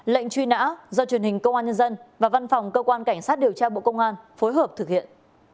lệnh truy nã do truyền hình công an nhân dân và văn phòng cơ quan cảnh sát điều tra bộ công an phối hợp thực hiện